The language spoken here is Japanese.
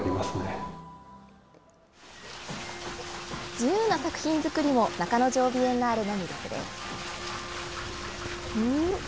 自由な作品作りも、中之条ビエンナーレの魅力です。